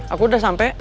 aku udah sampe